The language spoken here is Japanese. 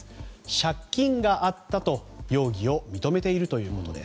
借金があったと容疑を認めているということです。